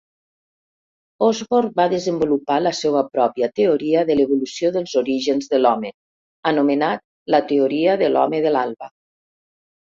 Osborn va desenvolupar la seua pròpia teoria de l'evolució dels orígens de l'home anomenat la "Teoria de l"home de l'alba".